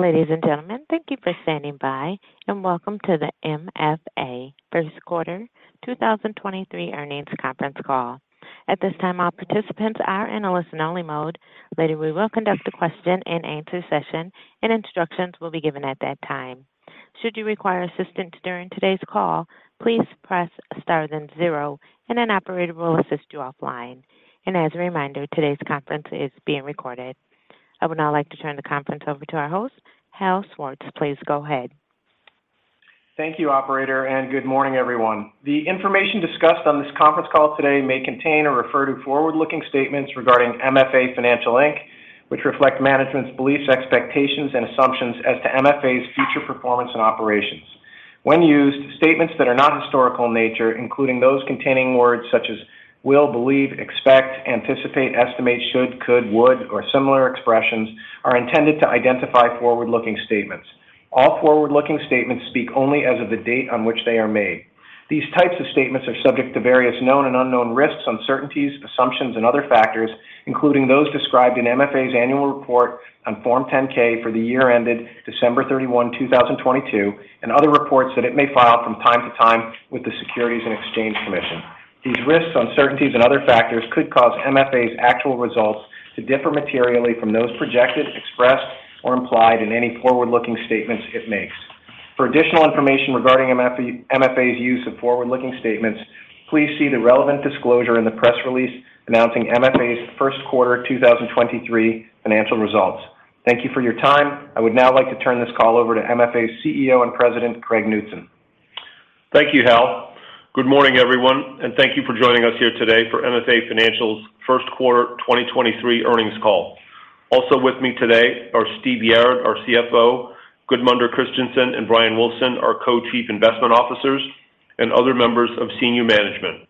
Ladies and gentlemen, thank you for standing by, welcome to the MFA first quarter 2023 earnings conference call. At this time, all participants are in a listen-only mode. Later, we will conduct a question-and-answer session, and instructions will be given at that time. Should you require assistance during today's call, please press star then zero, and an operator will assist you offline. As a reminder, today's conference is being recorded. I would now like to turn the conference over to our host, Hal Schwartz. Please go ahead. Thank you, operator. Good morning, everyone. The information discussed on this conference call today may contain or refer to forward-looking statements regarding MFA Financial, Inc., which reflect management's beliefs, expectations, and assumptions as to MFA's future performance and operations. When used, statements that are not historical in nature, including those containing words such as will, believe, expect, anticipate, estimate, should, could, would, or similar expressions, are intended to identify forward-looking statements. All forward-looking statements speak only as of the date on which they are made. These types of statements are subject to various known and unknown risks, uncertainties, assumptions, and other factors, including those described in MFA's annual report on Form 10-K for the year ended December 31, 2022, and other reports that it may file from time to time with the Securities and Exchange Commission. These risks, uncertainties, and other factors could cause MFA's actual results to differ materially from those projected, expressed, or implied in any forward-looking statements it makes. For additional information regarding MFA's use of forward-looking statements, please see the relevant disclosure in the press release announcing MFA's first quarter 2023 financial results. Thank you for your time. I would now like to turn this call over to MFA's CEO and President, Craig L. Knutson. Thank you, Hal. Good morning, everyone, thank you for joining us here today for MFA Financial's first quarter 2023 earnings call. Also with me today are Stephen D. Yarad, our CFO, Gudmundur Kristjansson and Bryan Wulfsohn, our Co-Chief Investment Officers, and other members of senior management.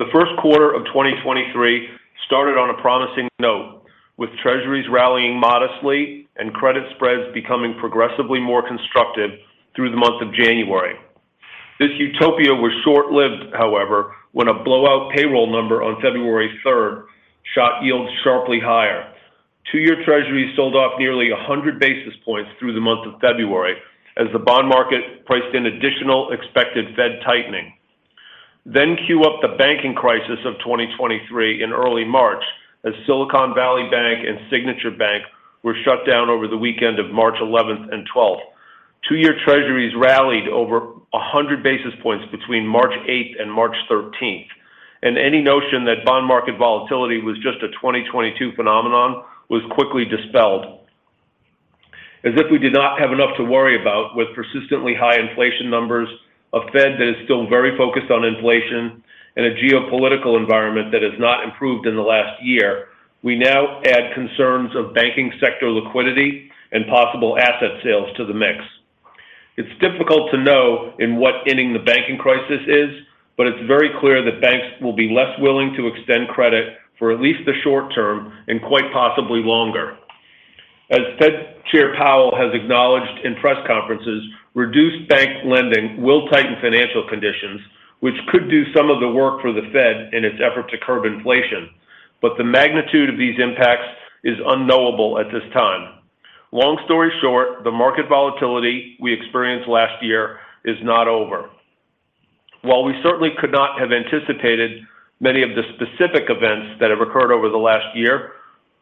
The first quarter of 2023 started on a promising note with Treasuries rallying modestly and credit spreads becoming progressively more constructive through the month of January. This utopia was short-lived, however, when a blowout payroll number on February third shot yields sharply higher. Two-year Treasuries sold off nearly 100 basis points through the month of February as the bond market priced in additional expected Fed tightening. Cue up the banking crisis of 2023 in early March as Silicon Valley Bank and Signature Bank were shut down over the weekend of March 11th and 12th. 2-year Treasuries rallied over 100 basis points between March 8th and March 13th. Any notion that bond market volatility was just a 2022 phenomenon was quickly dispelled. As if we did not have enough to worry about with persistently high inflation numbers, a Fed that is still very focused on inflation, and a geopolitical environment that has not improved in the last year, we now add concerns of banking sector liquidity and possible asset sales to the mix. It's difficult to know in what inning the banking crisis is, but it's very clear that banks will be less willing to extend credit for at least the short term and quite possibly longer. As Fed Chair Powell has acknowledged in press conferences, reduced bank lending will tighten financial conditions, which could do some of the work for the Fed in its effort to curb inflation. The magnitude of these impacts is unknowable at this time. Long story short, the market volatility we experienced last year is not over. While we certainly could not have anticipated many of the specific events that have occurred over the last year,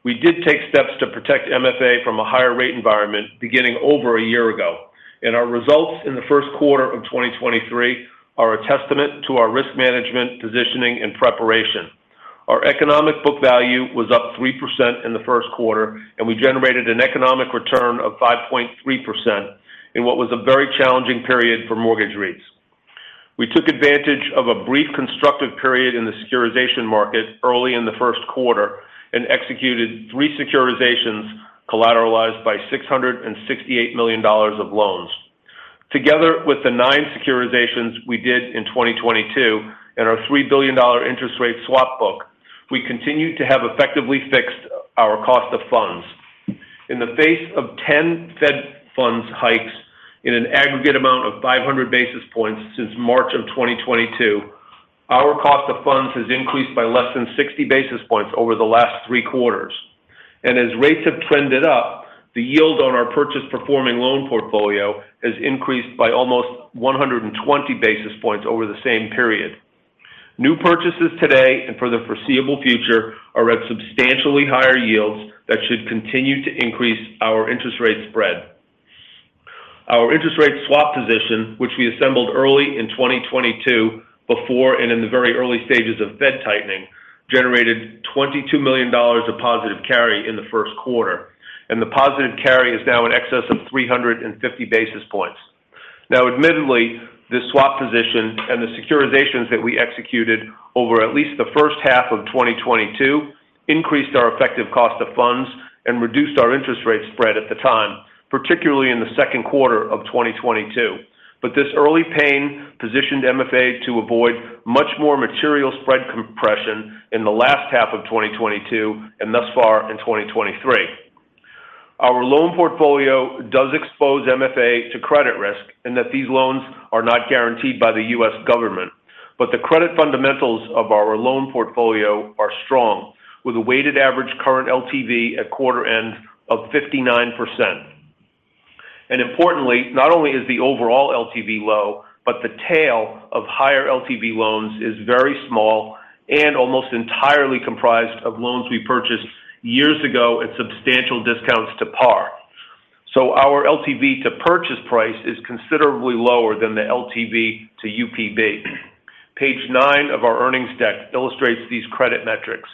we did take steps to protect MFA from a higher rate environment beginning over a year ago. Our results in the first quarter of 2023 are a testament to our risk management, positioning, and preparation. Our economic book value was up 3% in the first quarter, and we generated an economic return of 5.3% in what was a very challenging period for mortgage rates. We took advantage of a brief constructive period in the securitization market early in the first quarter and executed 3 securitizations collateralized by $668 million of loans. Together with the 9 securitizations we did in 2022 and our $3 billion interest rate swap book, we continue to have effectively fixed our cost of funds. In the face of 10 Fed funds hikes in an aggregate amount of 500 basis points since March of 2022, our cost of funds has increased by less than 60 basis points over the last 3 quarters. As rates have trended up, the yield on our purchase performing loan portfolio has increased by almost 120 basis points over the same period. New purchases today and for the foreseeable future are at substantially higher yields that should continue to increase our interest rate spread. Our interest rate swap position, which we assembled early in 2022 before and in the very early stages of Fed tightening, generated $22 million of positive carry in the first quarter. The positive carry is now in excess of 350 basis points. Admittedly, this swap position and the securitizations that we executed over at least the first half of 2022 increased our effective cost of funds and reduced our interest rate spread at the time, particularly in the second quarter of 2022. This early pain positioned MFA to avoid much more material spread compression in the last half of 2022 and thus far in 2023. Our loan portfolio does expose MFA to credit risk and that these loans are not guaranteed by the U.S. government. The credit fundamentals of our loan portfolio are strong, with a weighted average current LTV at quarter end of 59%. Importantly, not only is the overall LTV low, but the tail of higher LTV loans is very small and almost entirely comprised of loans we purchased years ago at substantial discounts to par. Our LTV to purchase price is considerably lower than the LTV to UPB. Page 9 of our earnings deck illustrates these credit metrics.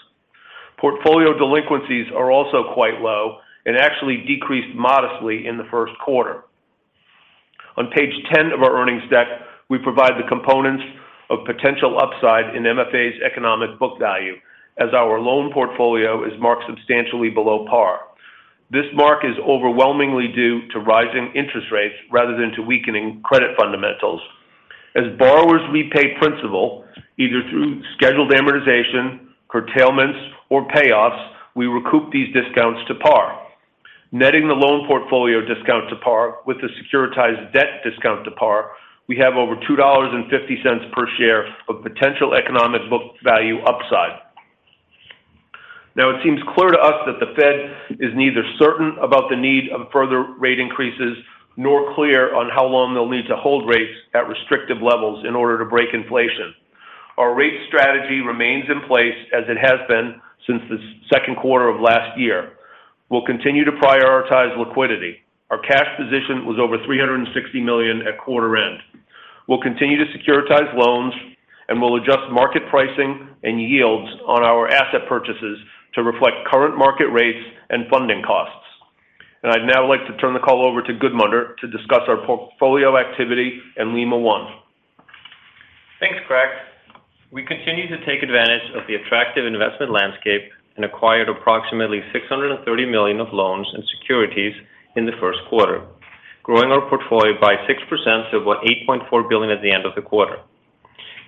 Portfolio delinquencies are also quite low and actually decreased modestly in the 1st quarter. On page 10 of our earnings deck, we provide the components of potential upside in MFA's economic book value as our loan portfolio is marked substantially below par. This mark is overwhelmingly due to rising interest rates rather than to weakening credit fundamentals. As borrowers repay principal, either through scheduled amortization, curtailments, or payoffs, we recoup these discounts to par. Netting the loan portfolio discount to par with the securitized debt discount to par, we have over $2.50 per share of potential economic book value upside. It seems clear to us that the Fed is neither certain about the need of further rate increases nor clear on how long they'll need to hold rates at restrictive levels in order to break inflation. Our rate strategy remains in place as it has been since the second quarter of last year. We'll continue to prioritize liquidity. Our cash position was over $360 million at quarter end. We'll continue to securitize loans, and we'll adjust market pricing and yields on our asset purchases to reflect current market rates and funding costs. I'd now like to turn the call over to Gudmundur to discuss our portfolio activity and Lima One. Thanks, Craig. We continue to take advantage of the attractive investment landscape and acquired approximately $630 million of loans and securities in the first quarter, growing our portfolio by 6% to about $8.4 billion at the end of the quarter.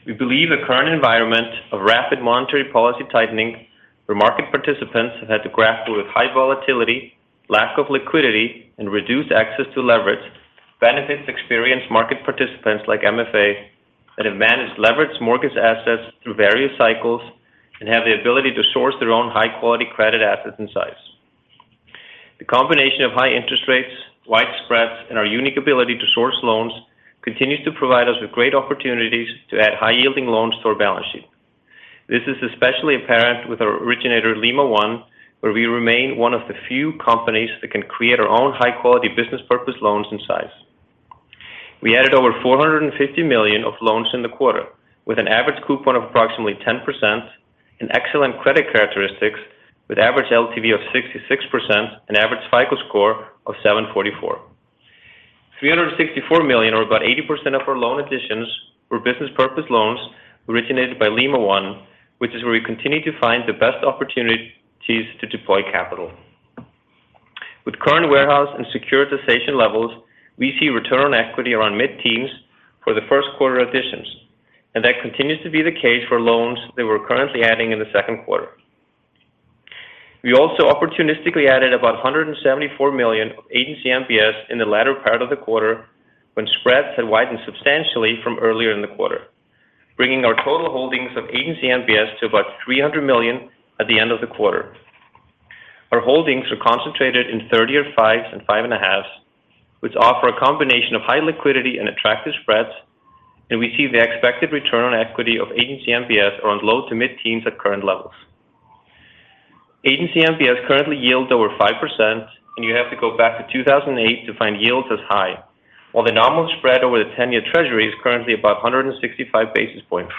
We believe the current environment of rapid monetary policy tightening where market participants have had to grapple with high volatility, lack of liquidity, and reduced access to leverage benefits experienced market participants like MFA that have managed leveraged mortgage assets through various cycles and have the ability to source their own high-quality credit assets and size. The combination of high interest rates, wide spreads, and our unique ability to source loans continues to provide us with great opportunities to add high-yielding loans to our balance sheet. This is especially apparent with our originator Lima One, where we remain one of the few companies that can create our own high-quality business purpose loans and size. We added over $450 million of loans in the quarter with an average coupon of approximately 10% and excellent credit characteristics with average LTV of 66% and average FICO score of 744. $364 million, or about 80% of our loan additions, were business purpose loans originated by Lima One, which is where we continue to find the best opportunities to deploy capital. With current warehouse and securitization levels, we see return on equity around mid-teens for the first quarter additions. That continues to be the case for loans that we're currently adding in the second quarter. We also opportunistically added about $174 million of agency MBS in the latter part of the quarter when spreads had widened substantially from earlier in the quarter, bringing our total holdings of agency MBS to about $300 million at the end of the quarter. Our holdings are concentrated in 30-years 5s and five and a halves, which offer a combination of high liquidity and attractive spreads, and we see the expected return on equity of agency MBS around low to mid-teens at current levels. Agency MBS currently yields over 5%, and you have to go back to 2008 to find yields as high. While the nominal spread over the 10-year Treasury is currently about 165 basis points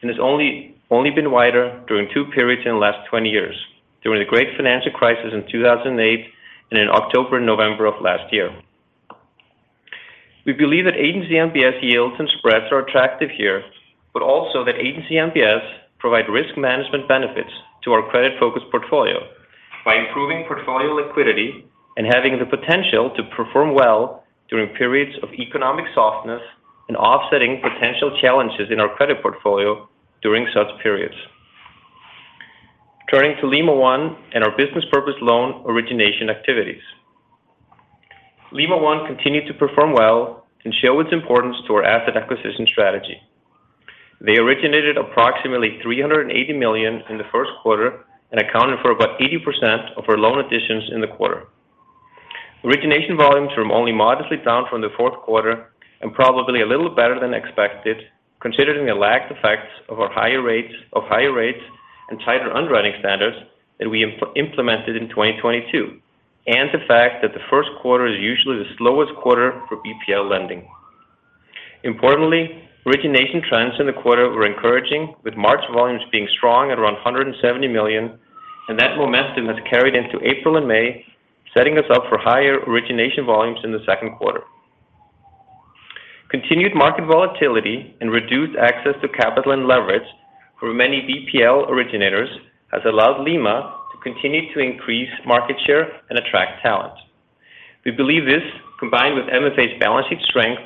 and has only been wider during two periods in the last 20 years: during the Great Financial Crisis in 2008 and in October and November of last year. We believe that agency MBS yields and spreads are attractive here, but also that agency MBS provide risk management benefits to our credit-focused portfolio by improving portfolio liquidity and having the potential to perform well during periods of economic softness and offsetting potential challenges in our credit portfolio during such periods. Turning to Lima One and our business purpose loan origination activities. Lima One continued to perform well and show its importance to our asset acquisition strategy. They originated approximately $380 million in the first quarter and accounted for about 80% of our loan additions in the quarter. Origination volumes were only modestly down from the fourth quarter and probably a little better than expected, considering the lagged effects of higher rates and tighter underwriting standards that we implemented in 2022 and the fact that the first quarter is usually the slowest quarter for BPL lending. Importantly, origination trends in the quarter were encouraging, with March volumes being strong at around $170 million, and that momentum has carried into April and May, setting us up for higher origination volumes in the second quarter. Continued market volatility and reduced access to capital and leverage for many BPL originators has allowed Lima to continue to increase market share and attract talent. We believe this, combined with MFA's balancing strength,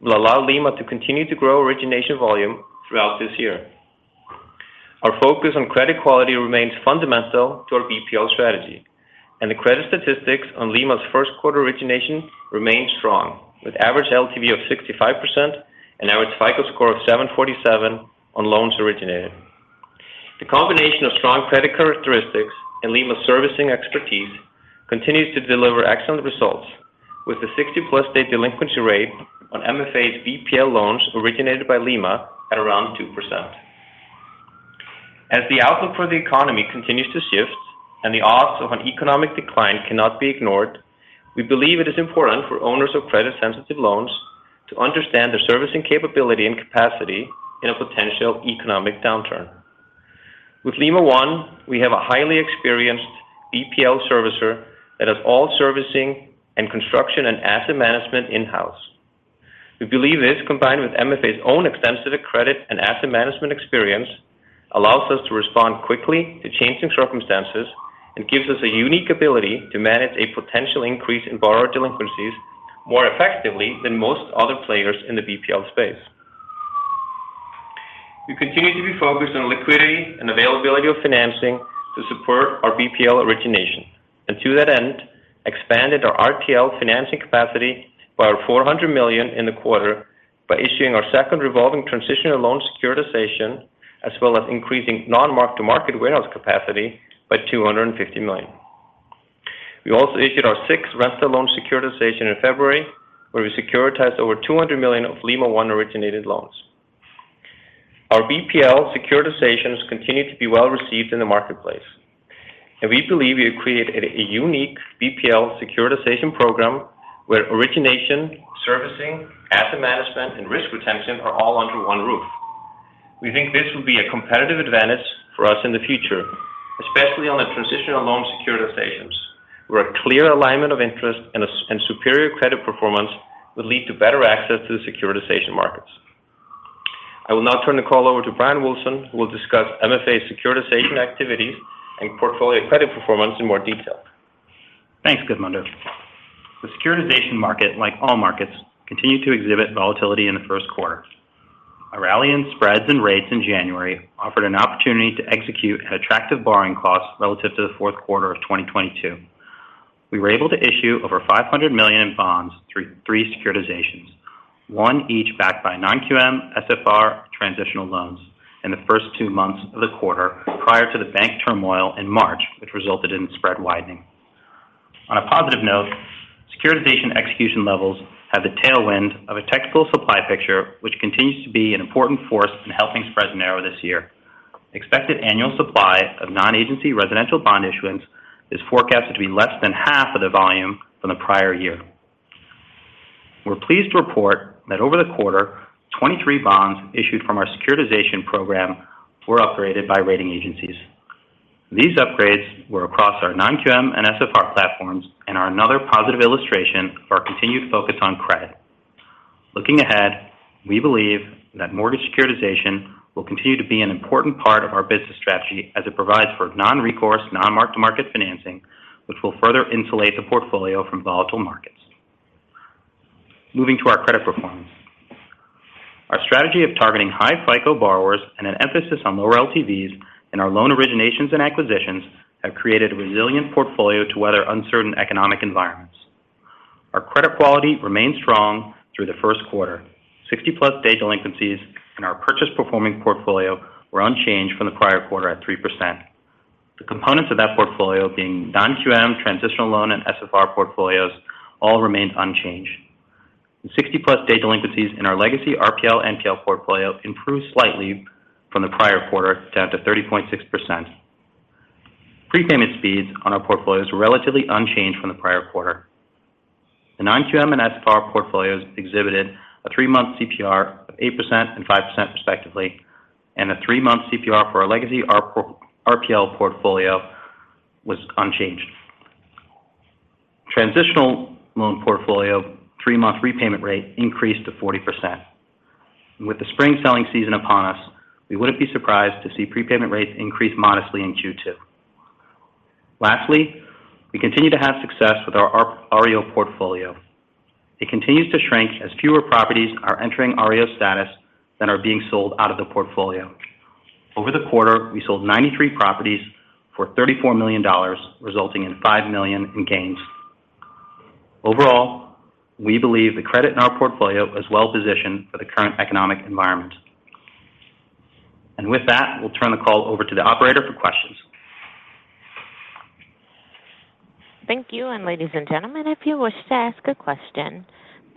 will allow Lima to continue to grow origination volume throughout this year. Focus on credit quality remains fundamental to our BPL strategy. The credit statistics on Lima's first quarter origination remain strong, with average LTV of 65% and average FICO score of 747 on loans originated. The combination of strong credit characteristics and Lima's servicing expertise continues to deliver excellent results, with the 60-plus day delinquency rate on MFA's BPL loans originated by Lima at around 2%. As the outlook for the economy continues to shift and the odds of an economic decline cannot be ignored, we believe it is important for owners of credit-sensitive loans to understand their servicing capability and capacity in a potential economic downturn. With Lima One, we have a highly experienced BPL servicer that has all servicing and construction and asset management in-house. We believe this, combined with MFA's own extensive credit and asset management experience, allows us to respond quickly to changing circumstances and gives us a unique ability to manage a potential increase in borrower delinquencies more effectively than most other players in the BPL space. We continue to be focused on liquidity and availability of financing to support our BPL origination. To that end, expanded our RTL financing capacity by $400 million in the quarter by issuing our second revolving transitional loan securitization, as well as increasing non-market-to-market warehouse capacity by $250 million. We also issued our sixth rental loan securitization in February, where we securitized over $200 million of Lima One originated loans. Our BPL securitizations continue to be well-received in the marketplace, and we believe we have created a unique BPL securitization program where origination, servicing, asset management, and risk retention are all under one roof. We think this will be a competitive advantage for us in the future, especially on the transitional loan securitizations, where a clear alignment of interest and superior credit performance will lead to better access to the securitization markets. I will now turn the call over to Bryan Wulfsohn, who will discuss MFA's securitization activities and portfolio credit performance in more detail. Thanks, Gudmundur. The securitization market, like all markets, continued to exhibit volatility in the first quarter. A rally in spreads and rates in January offered an opportunity to execute at attractive borrowing costs relative to the fourth quarter of 2022. We were able to issue over $500 million in bonds through three securitizations, one each backed by non-QM, SFR, transitional loans in the first two months of the quarter prior to the bank turmoil in March, which resulted in spread widening. On a positive note, securitization execution levels have the tailwind of a technical supply picture, which continues to be an important force in helping spread narrow this year. Expected annual supply of non-agency residential bond issuance is forecasted to be less than half of the volume from the prior year. We're pleased to report that over the quarter, 23 bonds issued from our securitization program were upgraded by rating agencies. These upgrades were across our non-QM and SFR platforms and are another positive illustration of our continued focus on credit. Looking ahead, we believe that mortgage securitization will continue to be an important part of our business strategy as it provides for non-recourse, non-market-to-market financing, which will further insulate the portfolio from volatile markets. Moving to our credit performance. Our strategy of targeting high FICO borrowers and an emphasis on lower LTVs in our loan originations and acquisitions have created a resilient portfolio to weather uncertain economic environments. Our credit quality remained strong through the first quarter. 60-plus day delinquencies in our purchase performing portfolio were unchanged from the prior quarter at 3%. The components of that portfolio being non-QM, transitional loan, and SFR portfolios all remained unchanged. 60-plus day delinquencies in our legacy RPL NPL portfolio improved slightly from the prior quarter, down to 30.6%. Prepayment speeds on our portfolio is relatively unchanged from the prior quarter. The non-QM and SFR portfolios exhibited a three-month CPR of 8% and 5% respectively, and a three-month CPR for our legacy RPL portfolio was unchanged. Transitional loan portfolio three-month repayment rate increased to 40%. With the spring selling season upon us, we wouldn't be surprised to see prepayment rates increase modestly in Q2. Lastly, we continue to have success with our R-REO portfolio. It continues to shrink as fewer properties are entering REO status than are being sold out of the portfolio. Over the quarter, we sold 93 properties for $34 million, resulting in $5 million in gains. Overall, we believe the credit in our portfolio is well-positioned for the current economic environment. With that, we'll turn the call over to the operator for questions. Thank you. Ladies and gentlemen, if you wish to ask a question,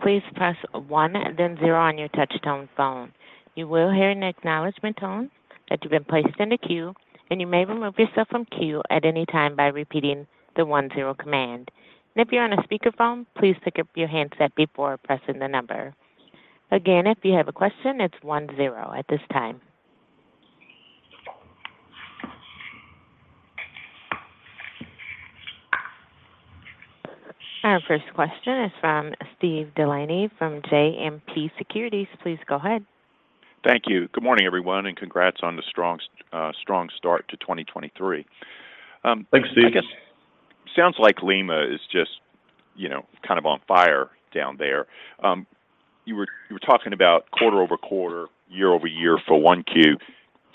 please press 1 then 0 on your touchtone phone. You will hear an acknowledgment tone that you've been placed in the queue, and you may remove yourself from queue at any time by repeating the 1-0 command. If you're on a speakerphone, please pick up your handset before pressing the number. Again, if you have a question, it's 1-0 at this time. Our first question is from Steve Delaney from JMP Securities. Please go ahead.. Thank you. Good morning, everyone, congrats on the strong start to 2023. Thanks, Steve. Sounds like Lima is just, you know, kind of on fire down there. You were talking about quarter-over-quarter, year-over-year for 1Q.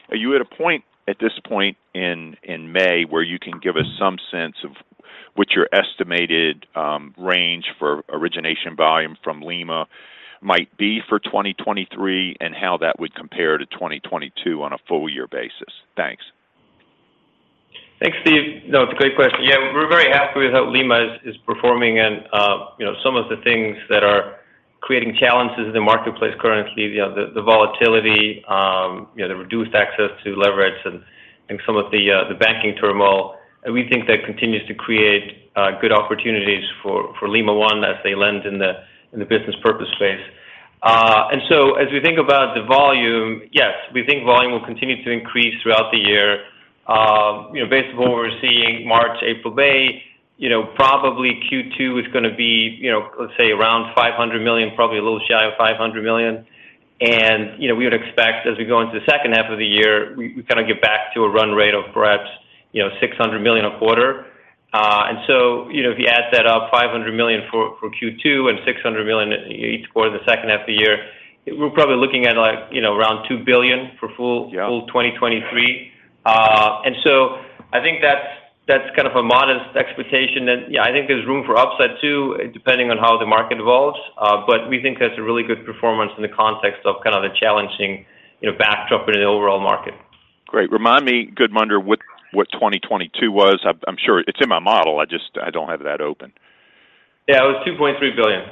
Are you at a point at this point in May where you can give us some sense of what your estimated range for origination volume from Lima might be for 2023 and how that would compare to 2022 on a full year basis? Thanks. Thanks, Steve. It's a great question. We're very happy with how Lima is performing and, you know, some of the things that are creating challenges in the marketplace currently, you know, the volatility, you know, the reduced access to leverage and some of the banking turmoil. We think that continues to create good opportunities for Lima One as they lend in the business purpose space. As we think about the volume, yes, we think volume will continue to increase throughout the year. You know, based on what we're seeing March, April, May, you know, probably Q2 is gonna be, you know, let's say around $500 million, probably a little shy of $500 million. You know, we would expect as we go into the second half of the year, we kinda get back to a run rate of perhaps, you know, $600 million a quarter. You know, if you add that up, $500 million for Q2 and $600 million each quarter in the second half of the year, we're probably looking at, like, you know, around $2 billion for full- Yeah. -full 2023. I think that's kind of a modest expectation. I think there's room for upside too, depending on how the market evolves. We think that's a really good performance in the context of kind of the challenging backdrop in the overall market. Great. Remind me, Gudmundur, what 2022 was. I'm sure it's in my model. I don't have that open. Yeah, it was $2.3 billion.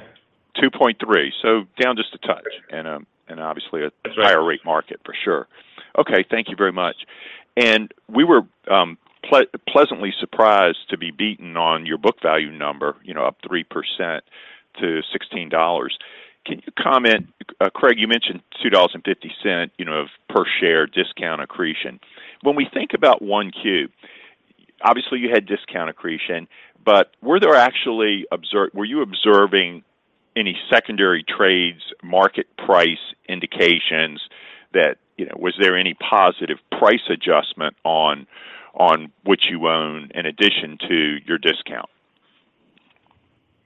2.3. Down just a touch. Sure. obviously That's right. higher rate market for sure. Okay. Thank you very much. We were pleasantly surprised to be beaten on your book value number, you know, up 3% to $16. Can you comment? Craig, you mentioned $2.50, you know, of per share discount accretion. When we think about 1Q, obviously you had discount accretion, but were you observing any secondary trades, market price indications that, you know? Was there any positive price adjustment on which you own in addition to your discount?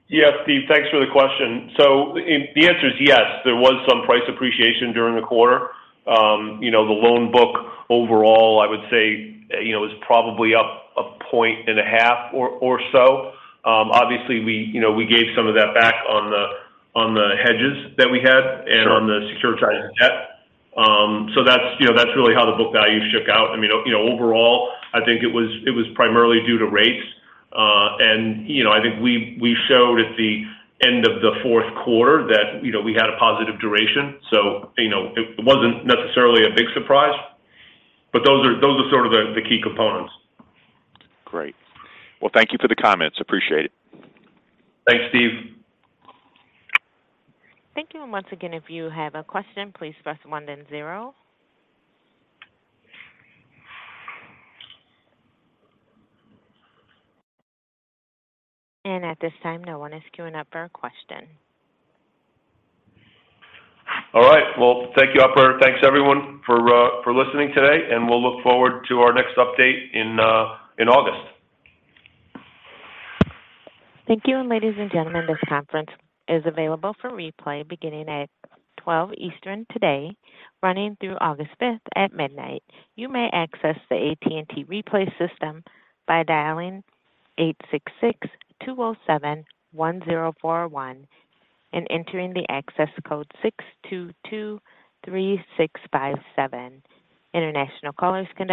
Yeah. Steve, thanks for the question. The answer is yes. There was some price appreciation during the quarter. you know, the loan book overall, I would say, you know, is probably up a point and a half or so. obviously we, you know, we gave some of that back on the, on the hedges that we had- Sure. On the securitized debt. That's, you know, that's really how the book value shook out. I mean, you know, overall I think it was, it was primarily due to rates. You know, I think we showed at the end of the fourth quarter that, you know, we had a positive duration, so you know, it wasn't necessarily a big surprise. Those are sort of the key components. Great. Well, thank you for the comments. Appreciate it. Thanks, Steve. Thank you. Once again, if you have a question, please press 1 then 0. At this time, no one is queuing up for a question. All right. Well, thank you, operator. Thanks everyone for listening today. We'll look forward to our next update in August. Thank you. Ladies and gentlemen, this conference is available for replay beginning at 12 Eastern today, running through August 5th at midnight. You may access the AT&T replay system by dialing 866-207-1041 and entering the access code 6223657. International callers can